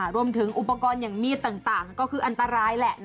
รวมถึงอุปกรณ์มีดต่างคืออันตรายไม่เห็น